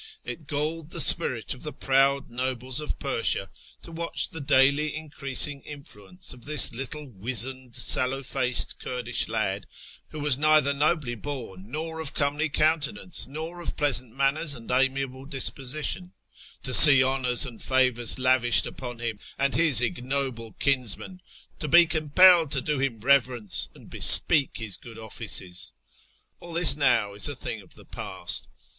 It galled the spirit of the proud nobles of Persia to watch the daily in creasing influence of this little wizened, sallow faced Kurdish lad, who was neither nobly born, nor of comely countenance, nor of pleasant manners and amiable disposition ; to see honours and favours lavished upon him and his ignoble kinsmen ; to be compelled to do him reverence and bespeak his good offices. All this now is a thing of the past.